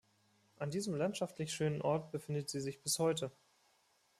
An diesem landschaftlich schönen Ort befindet sie sich bis heute.